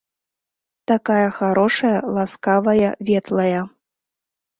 Такая харошая, ласкавая, ветлая.